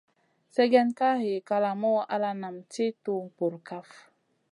Sègèn ka hiy kalamou ala nam tì tuhu bur kaf.